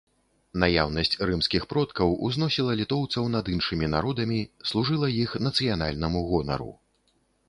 Наяўнасць рымскіх продкаў узносіла літоўцаў над іншымі народамі, служыла іх нацыянальнаму гонару.